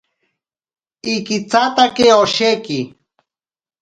Ikitsatake osheki.